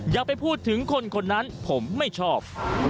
อย่าไปพูดถึงคนคนนั้นผมไม่ชอบ